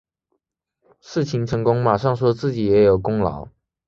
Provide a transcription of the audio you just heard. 事情成功马上说自己也有功劳